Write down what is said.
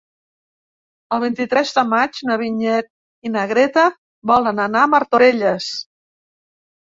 El vint-i-tres de maig na Vinyet i na Greta volen anar a Martorelles.